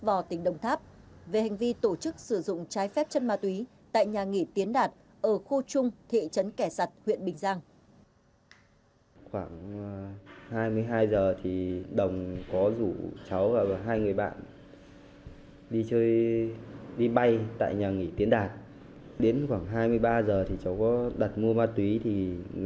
vào tỉnh đồng tháp về hành vi tổ chức sử dụng trái phép chân ma túy tại nhà nghỉ tiến đạt ở khu chung thị trấn kẻ sặt huyện bình giang